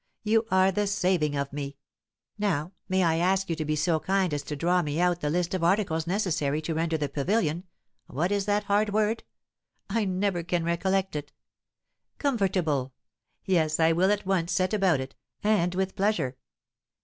You are the saving of me! Now, may I ask you to be so kind as to draw me out the list of articles necessary to render the pavilion what is that hard word? I never can recollect it." "Comfortable! Yes, I will at once set about it, and with pleasure."